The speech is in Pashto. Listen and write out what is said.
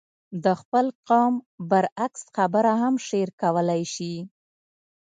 د خپل قوم برعکس خبره هم شعر کولای شي.